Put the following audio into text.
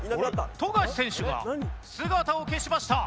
富樫選手が姿を消しました！